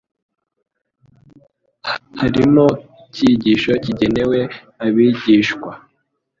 harimo icyigisho kigenewe abigishwa.